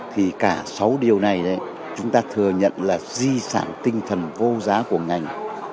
thì cả sáu điều này chúng ta thừa nhận là di sản tinh thần vô giá của ngành